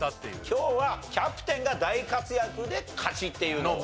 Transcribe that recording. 今日はキャプテンが大活躍で勝ちっていうのを。